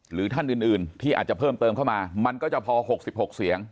หรือท่านอื่นที่อาจจะเพิ่มเติมเข้ามามันก็จะพอ๖๖เสียง